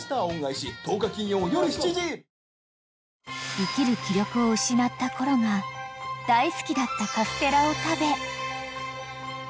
［生きる気力を失ったコロが大好きだったカステラを食べ］